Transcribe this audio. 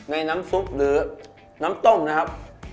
น้ำซุปหรือน้ำต้มนะครับ